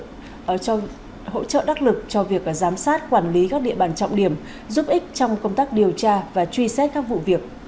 hỗ trợ đắc lực cho việc giám sát quản lý các địa bàn trọng điểm giúp ích trong công tác điều tra và truy xét các vụ việc